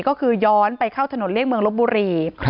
ก็คือย้อนไปเข้าถนนเลี่ยงเมืองลบบุรี